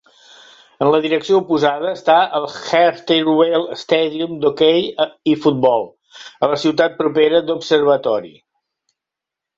En la direcció oposada està el Hartleyvale Stadium, d'hoquei i futbol, a la ciutat propera d'Observatory.